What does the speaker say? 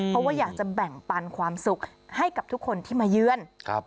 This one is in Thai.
เพราะว่าอยากจะแบ่งปันความสุขให้กับทุกคนที่มาเยือน